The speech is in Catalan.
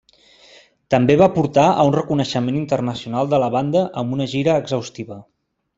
També va portar a un reconeixement internacional de la banda amb una gira exhaustiva.